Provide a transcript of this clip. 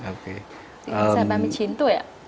vậy là ba mươi chín tuổi ạ